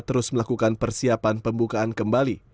terus melakukan persiapan pembukaan kembali